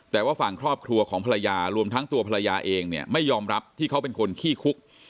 แต่ว่าฝั่งครอบครัวของภรรยารวมทั้งตัวภรรยาเองเนี่ยไม่ยอมรับที่เขาเป็นคนขี้คุก